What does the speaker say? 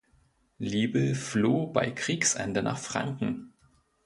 Liebl floh bei Kriegsende nach Franken.